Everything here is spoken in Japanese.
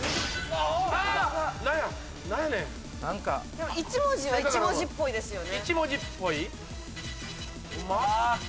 でも１文字は１文字っぽいですよね。